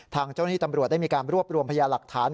ทางเจ้าหน้าที่ตำรวจได้มีการรวบรวมพยาหลักฐาน